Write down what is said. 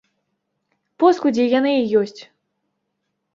Поскудзі яны і ёсць.